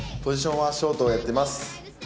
ポジションはショートをやってます。